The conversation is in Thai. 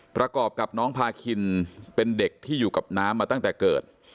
ประกอบกับน้องพาคินเป็นเด็กที่อยู่กับน้ำมาตั้งแต่เกิด